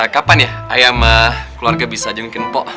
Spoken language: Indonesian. kapan ya ayah sama keluarga bisa ajangin pok